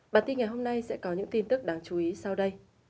bản tin ngày hôm nay sẽ có những tin tức đáng chú ý sau đây